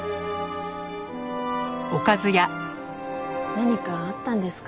何かあったんですか？